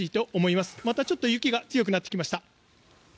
またちょっと雪が強くなってきました。